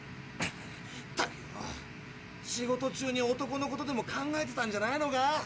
ったくよぉ仕事中に男のことでも考えてたんじゃないのか？